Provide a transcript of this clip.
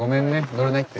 乗れないって。